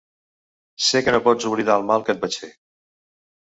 Sé que no pots oblidar el mal que et vaig fer